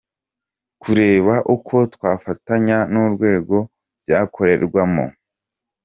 – Kureba ukwo twafatanya n’urwego byakolerwamo